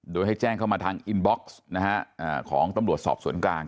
โดยให้แจ้งเข้ามาทางอินบ็อกซ์ของตำรวจสอบสวนกลาง